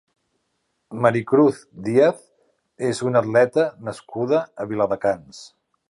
Mari Cruz Díaz és una atleta nascuda a Viladecans.